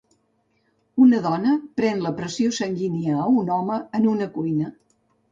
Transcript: Una dona pren la pressió sanguínia a un home en una cuina.